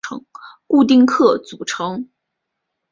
固定客组成。